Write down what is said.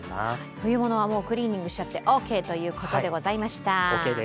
冬物はもうクリーニングしちゃってオーケーということでございました。